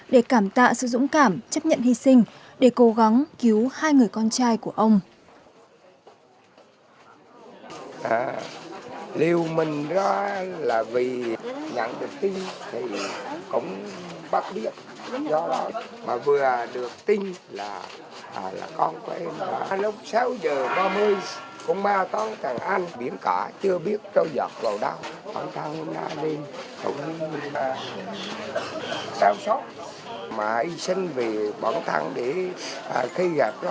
để cố gắng cứu hai người con trai của ông